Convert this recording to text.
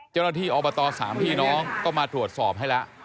เจ้าหน้าที่อบต๓พี่น้องก็มาตรวจสอบให้แล้ว